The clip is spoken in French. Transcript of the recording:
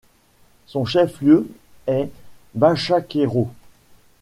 Son chef-lieu est Bachaquero.